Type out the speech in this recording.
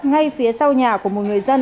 ngay phía sau nhà của một người dân